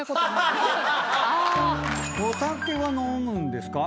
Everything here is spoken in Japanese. お酒は飲むんですか？